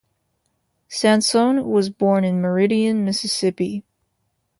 Sansone was born in Meridian, Mississippi.